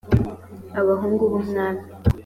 abahungu b ‘umwami